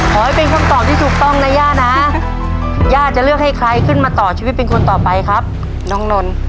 ขอให้เป็นคำตอบที่ถูกต้องนะย่านะย่าจะเลือกให้ใครขึ้นมาต่อชีวิตเป็นคนต่อไปครับน้องนนท์